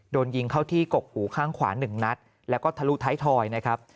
โดนยิงเข้าที่กกหูข้างขวา๑นัดแล้วก็ทะลุท้ายทอยนะครับ